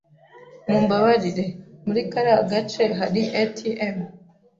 Mumbabarire, muri kariya gace hari ATM?